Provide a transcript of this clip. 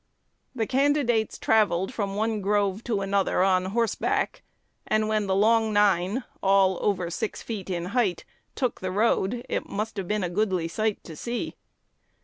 The candidates travelled from one grove to another on horseback; and, when the "Long Nine" (all over six feet in height) took the road, it must have been a goodly sight to see.